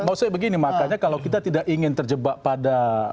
maksudnya begini makanya kalau kita tidak ingin terjebak pada